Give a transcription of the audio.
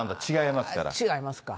違いますか。